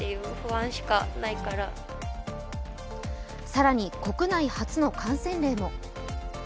更に、国内初の感染例も。